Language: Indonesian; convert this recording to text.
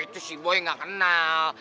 oh itu si boy gak kenal